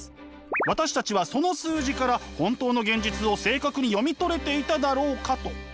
「私たちはその数字から本当の現実を正確に読み取れていただろうか」と。